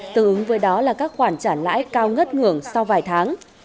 từ ứng với đó là các khoản trả lãi cao ngất ngưỡng sau vài tháng